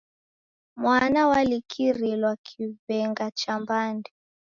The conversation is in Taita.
Mwana walikirilwa kiw'egha cha mbande.